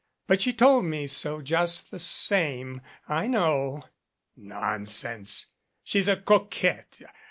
But she told me so just the same. I know." "Nonsense. She's a coquette.